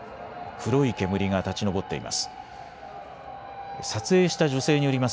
黒い煙が立ち上っています。